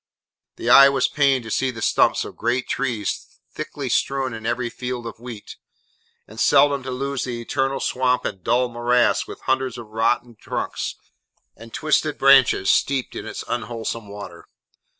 The eye was pained to see the stumps of great trees thickly strewn in every field of wheat, and seldom to lose the eternal swamp and dull morass, with hundreds of rotten trunks and twisted branches steeped in its unwholesome water.